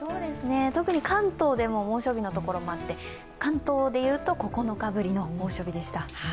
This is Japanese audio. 特に関東でも猛暑日のところもあって、関東で言うと９日ぶりの猛暑日でした。